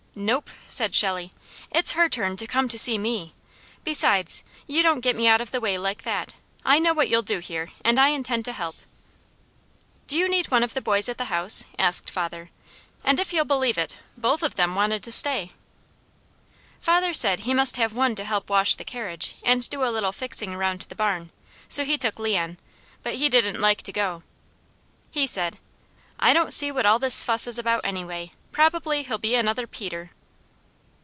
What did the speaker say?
"Nope!" said Shelley. "It's her turn to come to see me. Besides, you don't get me out of the way like that. I know what you'll do here, and I intend to help." "Do you need one of the boys at the house?" asked father, and if you'll believe it, both of them wanted to stay. Father said he must have one to help wash the carriage and do a little fixing around the barn; so he took Leon, but he didn't like to go. He said: "I don't see what all this fuss is about, anyway. Probably he'll be another Peter."